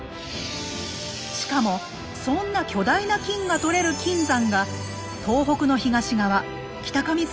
しかもそんな巨大な金が採れる金山が東北の東側北上